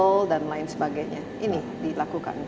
goal dan lain sebagainya ini dilakukan